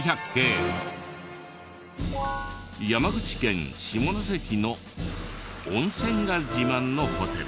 山口県下関の温泉が自慢のホテル。